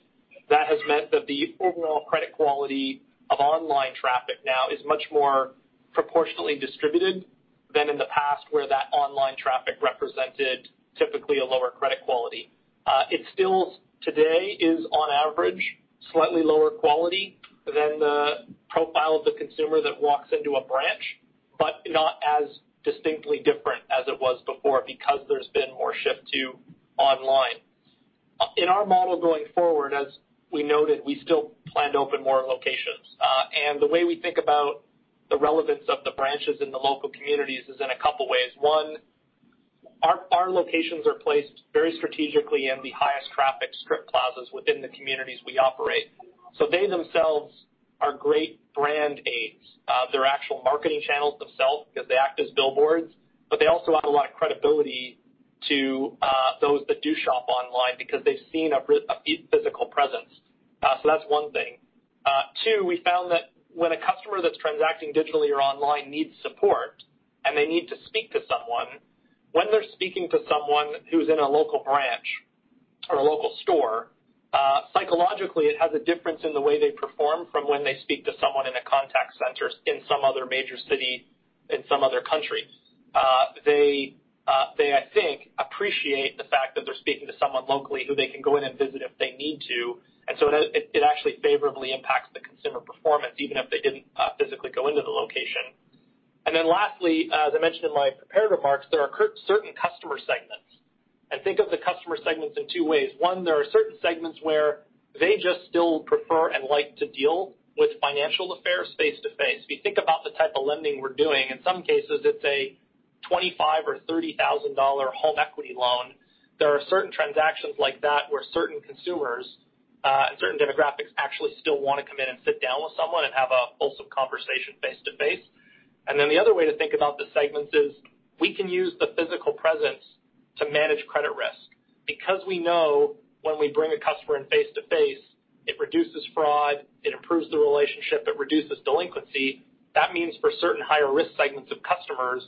that has meant that the overall credit quality of online traffic now is much more proportionately distributed than in the past where that online traffic represented typically a lower credit quality. It still today is on average slightly lower quality than the profile of the consumer that walks into a branch, but not as distinctly different as it was before because there's been more shift to online. In our model going forward, as we noted, we still plan to open more locations. The way we think about the relevance of the branches in the local communities is in a couple ways. One, our locations are placed very strategically in the highest traffic strip plazas within the communities we operate. They themselves are great brand aids. They're actual marketing channels themselves because they act as billboards, but they also add a lot of credibility to those that do shop online because they've seen a physical presence. That's one thing. Two, we found that when a customer that's transacting digitally or online needs support and they need to speak to someone, when they're speaking to someone who's in a local branch or a local store, psychologically it has a difference in the way they perform from when they speak to someone in a contact center in some other major city in some other country. They, they I think appreciate the fact that they're speaking to someone locally who they can go in and visit if they need to. It, it actually favorably impacts the consumer performance even if they didn't physically go into the location. Lastly, as I mentioned in my prepared remarks, there are certain customer segments. I think of the customer segments in two ways. One, there are certain segments where they just still prefer and like to deal with financial affairs face-to-face. If you think about the type of lending we're doing, in some cases it's a 25,000 dollars or 30,000 dollar home equity loan. There are certain transactions like that where certain consumers, and certain demographics actually still wanna come in and sit down with someone and have a wholesome conversation face-to-face. The other way to think about the segments is we can use the physical presence to manage credit risk because we know when we bring a customer in face-to-face, it reduces fraud, it improves the relationship, it reduces delinquency. That means for certain higher risk segments of customers.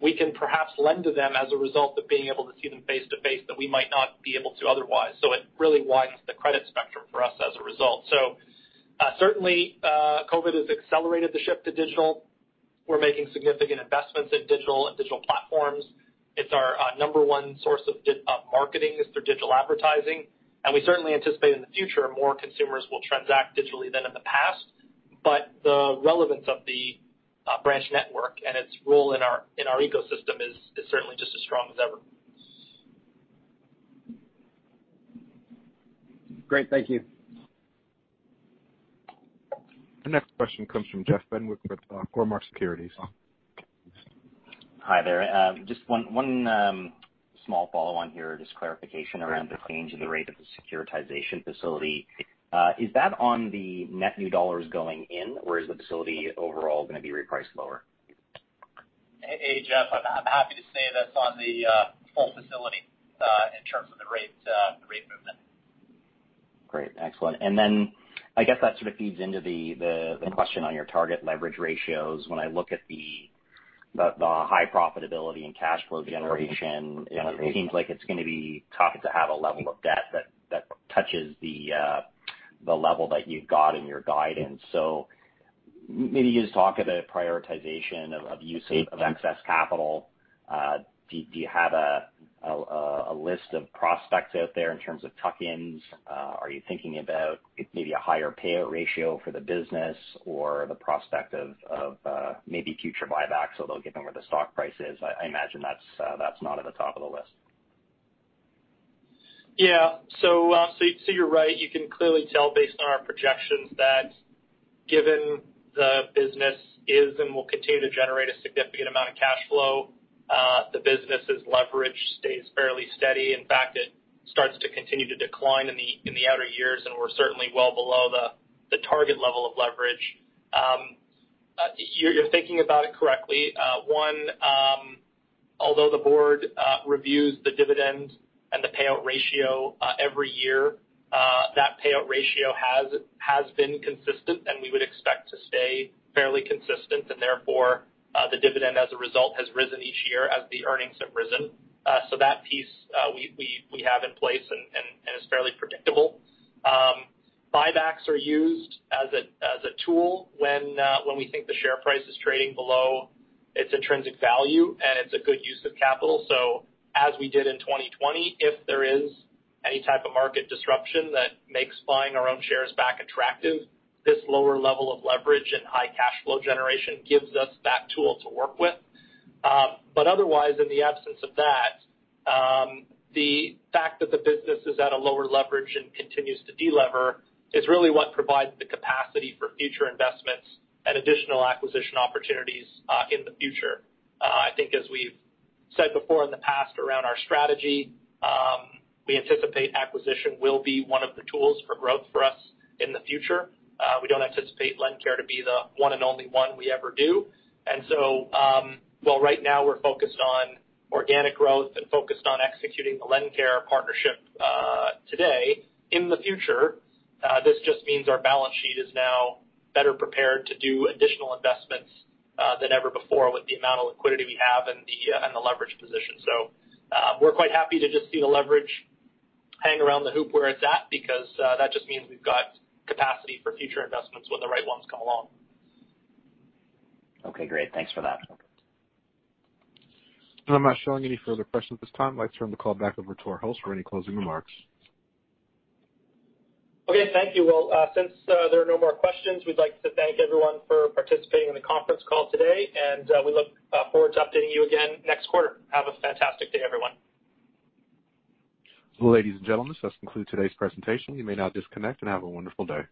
We can perhaps lend to them as a result of being able to see them face-to-face that we might not be able to otherwise. It really widens the credit spectrum for us as a result. Certainly, COVID has accelerated the shift to digital. We're making significant investments in digital and digital platforms. It's our number one source of marketing is through digital advertising. We certainly anticipate in the future, more consumers will transact digitally than in the past. The relevance of the branch network and its role in our ecosystem is certainly just as strong as ever. Great. Thank you. The next question comes from Jeff Fenwick with Cormark Securities. Hi there. Just one small follow-on here, just clarification around the change in the rate of the securitization facility. Is that on the net new dollars going in, or is the facility overall going to be repriced lower? Hey, Jeff, I'm happy to say that's on the full facility in terms of the rate, the rate movement. Great. Excellent. Then I guess that sort of feeds into the question on your target leverage ratios. When I look at the high profitability and cash flow generation. You know, it seems like it's gonna be tough to have a level of debt that touches the level that you've got in your guidance. Maybe you just talk about prioritization of usage of excess capital. Do you have a list of prospects out there in terms of tuck-ins? Are you thinking about maybe a higher payout ratio for the business or the prospect of maybe future buybacks, although given where the stock price is? I imagine that's not at the top of the list. Yeah. You're right. You can clearly tell based on our projections that given the business is and will continue to generate a significant amount of cash flow, the business's leverage stays fairly steady. In fact, it starts to continue to decline in the, in the outer years, and we're certainly well below the target level of leverage. You're thinking about it correctly. One, although the board reviews the dividend and the payout ratio every year, that payout ratio has been consistent, and we would expect to stay fairly consistent. Therefore, the dividend as a result has risen each year as the earnings have risen. That piece we have in place and is fairly predictable. Buybacks are used as a tool when we think the share price is trading below its intrinsic value, and it's a good use of capital. As we did in 2020, if there is any type of market disruption that makes buying our own shares back attractive, this lower level of leverage and high cash flow generation gives us that tool to work with. Otherwise, in the absence of that, the fact that the business is at a lower leverage and continues to de-lever is really what provides the capacity for future investments and additional acquisition opportunities in the future. I think as we've said before in the past around our strategy, we anticipate acquisition will be one of the tools for growth for us in the future. We don't anticipate LendCare to be the one and only one we ever do. While right now we're focused on organic growth and focused on executing the LendCare partnership today, in the future, this just means our balance sheet is now better prepared to do additional investments than ever before with the amount of liquidity we have and the leverage position. We're quite happy to just see the leverage hang around the hoop where it's at because that just means we've got capacity for future investments when the right ones come along. Okay, great. Thanks for that. I'm not showing any further questions at this time. I'd like to turn the call back over to our host for any closing remarks. Okay, thank you. Well, since there are no more questions, we'd like to thank everyone for participating in the conference call today. We look forward to updating you again next quarter. Have a fantastic day, everyone. Ladies and gentlemen, this does conclude today's presentation. You may now disconnect and have a wonderful day.